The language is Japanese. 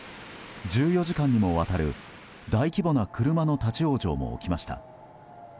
１４時間にもわたる、大規模な車の立ち往生も起きました。